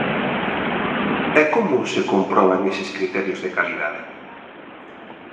¿E como se comproban eses criterios de calidade?